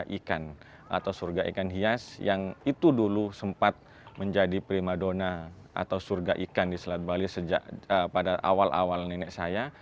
ikan atau surga ikan hias yang itu dulu sempat menjadi prima dona atau surga ikan di selat bali sejak pada awal awal nenek saya